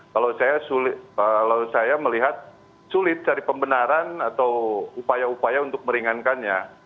kalau saya melihat sulit cari pembenaran atau upaya upaya untuk meringankannya